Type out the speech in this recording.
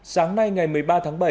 sáng nay ngày một mươi ba tháng bảy